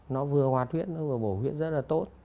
nó vừa hoạt huyết nó vừa bổ huyết rất là tốt